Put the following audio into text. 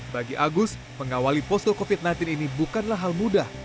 bagi agus mengawali posko covid sembilan belas ini bukanlah hal mudah